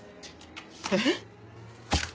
えっ？